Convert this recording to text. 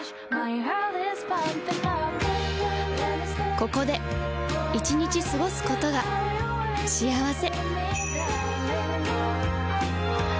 ここで１日過ごすことが幸せ